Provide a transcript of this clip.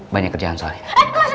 banyak kerjaan soalnya